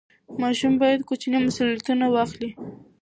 ماشوم باید کوچني مسوولیتونه واخلي.